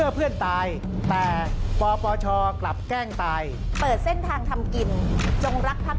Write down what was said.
พบกันครับ